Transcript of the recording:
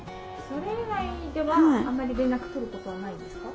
それ以外ではあまり連絡取ることはないんですか？